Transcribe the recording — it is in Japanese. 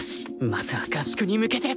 まずは合宿に向けて。